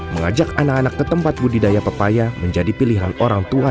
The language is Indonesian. mengajak anak anak ke tempat budidaya pepaya menjadi pilihan orang tua